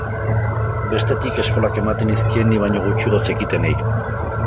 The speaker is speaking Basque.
Bestetik, eskolak ematen nizkien ni baino gutxiago zekitenei.